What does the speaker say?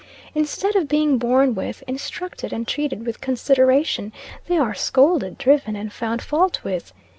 Instead of being borne with, instructed, and treated with consideration, they are scolded, driven and found fault with.